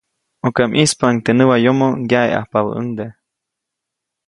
ʼUka ʼmispaʼuŋ teʼ näwayomo, ŋyaʼeʼajpabäʼuŋde.